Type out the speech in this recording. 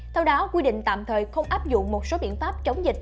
theo đó quy định tạm thời không áp dụng một số biện pháp chống dịch